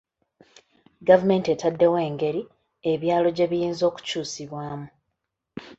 Gavumenti etaddewo engeri ebyalo gye biyinza okukyusibwamu.